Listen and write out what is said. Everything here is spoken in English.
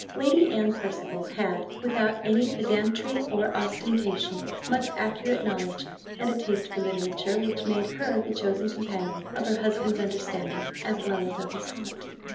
Lady Anne Percival had, without any pedantry or ostentation, much accurate knowledge, and a taste for literature, which made her the chosen companion of her husband's understanding, as well as of his heart.